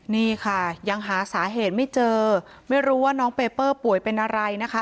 นี่ค่ะยังหาสาเหตุไม่เจอไม่รู้ว่าน้องเปเปอร์ป่วยเป็นอะไรนะคะ